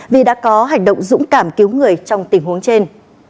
vì đã có hành động dũng cảm cứu người trong tình huống trên